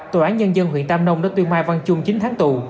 tội án nhân dân huyện tam nông đã tuyên mai văn chung chín tháng tù